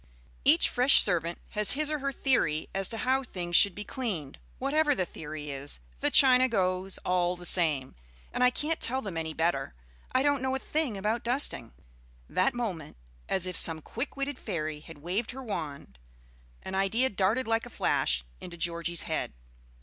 Each fresh servant has his or her theory as to how things should be cleaned. Whatever the theory is, the china goes all the same; and I can't tell them any better. I don't know a thing about dusting." That moment, as if some quick witted fairy had waved her wand, an idea darted like a flash into Georgie's head.